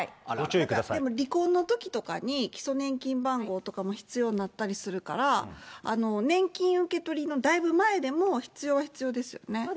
でも離婚のときに、基礎年金番号とかも必要になったりするから、年金受け取りのだいぶ前でも必要は必要ですよね。